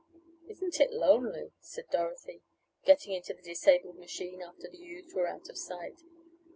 "Isn't it lonely," said Dorothy, getting into the disabled machine after the youths were out of sight.